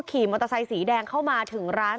ขี่มอเตอร์ไซค์สีแดงเข้ามาถึงร้าน